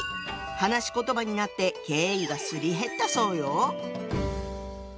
話し言葉になって敬意がすり減ったそうよ。